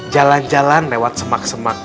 jalan jalan lewat semak semak